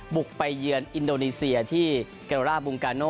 บุกไปเยือนอินโดนีเซียที่เกลร่าบุงกาโน